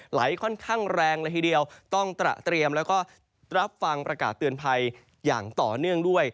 ไหลค่อนข้างแรงละทีเดียวต้องตระเตรียมแล้วก็รับฟังประกาศเตือนภัยอย่างต่อเนื่องด้วย